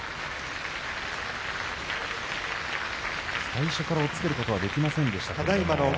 最初から押っつけることはできませんでした。